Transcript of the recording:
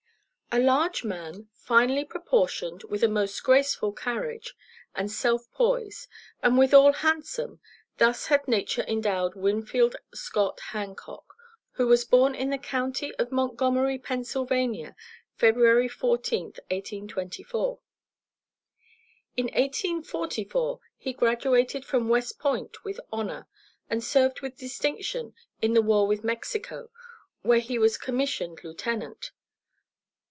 A large man, finely proportioned with a most graceful carriage, and self poise, and withal handsome, thus had nature endowed Winfield Scott Hancock, who was born in the county of Montgomery, Pennsylvania, February 14, 1824. In 1844 he graduated from West Point with honor, and served with distinction in the war with Mexico, where he was commissioned lieutenant.